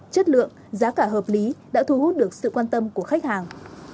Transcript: chất lượng giá cả hợp lý đã thu hút được sự quan tâm của khách hàng